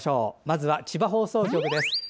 まず千葉放送局です。